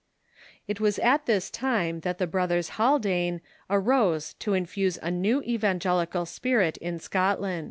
It was at this time that the brothers Haldane arose to infuse a new evangelical spirit in Scotland.